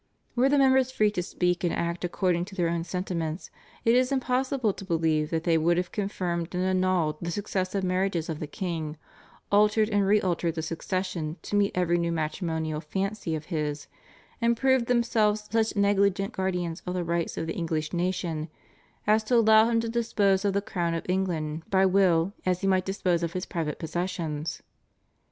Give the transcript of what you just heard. Were the members free to speak and act according to their own sentiments it is impossible to believe that they would have confirmed and annulled the successive marriages of the king, altered and realtered the succession to meet every new matrimonial fancy of his, and proved themselves such negligent guardians of the rights of the English nation as to allow him to dispose of the crown of England by will as he might dispose of his private possessions.